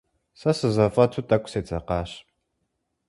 Сэ сызэфӏэту тӏэкӏу седзэкъащ.